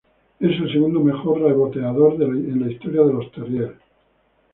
Es el segundo mejor reboteador de la historia de los "Terriers".